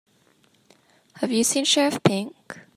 Have you seen Sheriff Pink?